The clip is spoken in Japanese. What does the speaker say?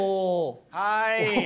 はい。